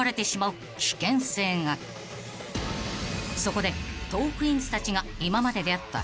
［そこでトークィーンズたちが今まで出会った］